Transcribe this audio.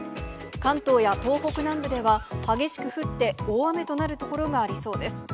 関東や東北南部では、激しく降って大雨となる所がありそうです。